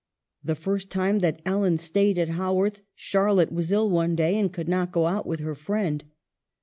The first time that Ellen stayed at Haworth, Charlotte was ill one day and could not go out with her friend.